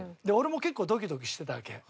俺も結構ドキドキしてたわけ。